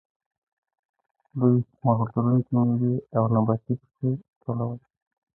دوی مغز لرونکې میوې او نباتي ریښې ټولولې.